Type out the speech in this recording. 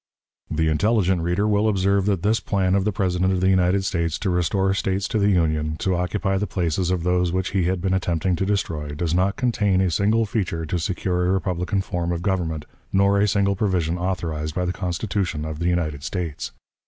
The intelligent reader will observe that this plan of the President of the United States to restore States to the Union, to occupy the places of those which he had been attempting to destroy, does not contain a single feature to secure a republican form of government, nor a single provision authorized by the Constitution of the United States.